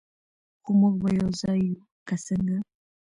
خو موږ به یو ځای یو، که څنګه؟